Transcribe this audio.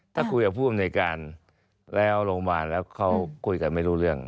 ถ้าคุยกับผู้อำนวยการแล้วลงมาแล้วเขาคุยกันไม่รู้เรื่อง